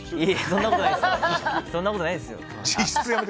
そんなことないですよ。